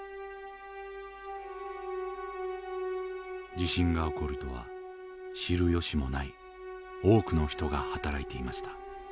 地震が起こるとは知る由もない多くの人が働いていました。